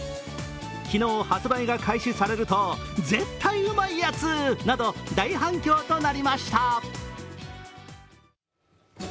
昨日、発売が開始されると、絶対うまいやつなど大反響となりました。